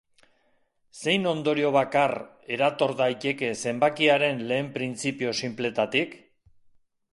Zein ondorio bakar erator daiteke zenbakiaren lehen printzipio sinpletatik?